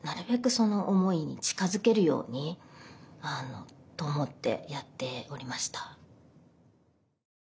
その思いに近づけるようにと思ってやっておりました。